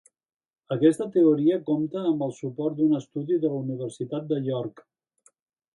Aquesta teoria compta amb el suport d'un estudi de la Universitat de York.